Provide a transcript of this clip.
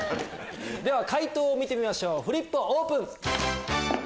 では解答を見てみましょうフリップオープン！